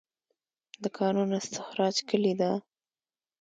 د کانونو استخراج کلي ده؟